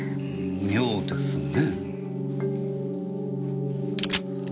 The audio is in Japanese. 妙ですね？